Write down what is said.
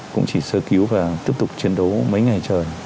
cũng chỉ sơ cứu và tiếp tục chiến đấu mấy ngày trời